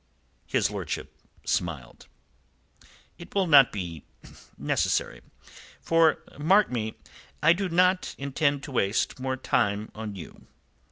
His lordship smiled. "It will not be necessary. For, mark me, I do not intend to waste more time on you.